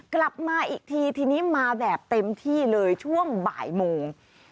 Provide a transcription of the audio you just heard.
กลับมาอีกทีทีนี้มาแบบเต็มที่เลยช่วงบ่ายโมง